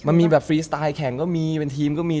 มันมีแบบฟรีสไตล์แข่งก็มีเป็นทีมก็มี